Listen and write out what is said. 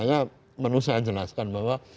saya menusahkan jelaskan bahwa